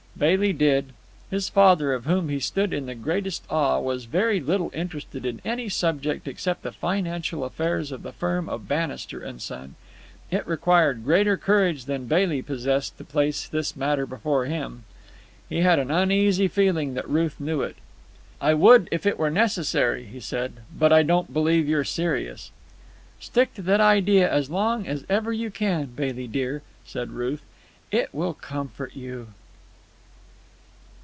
Bailey did. His father, of whom he stood in the greatest awe, was very little interested in any subject except the financial affairs of the firm of Bannister & Son. It required greater courage than Bailey possessed to place this matter before him. He had an uneasy feeling that Ruth knew it. "I would, if it were necessary," he said. "But I don't believe you're serious." "Stick to that idea as long as ever you can, Bailey dear," said Ruth. "It will comfort you."